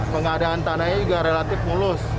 pengadaan tanahnya juga relatif mulus